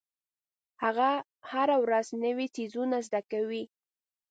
هغه هره ورځ نوې څیزونه زده کوي.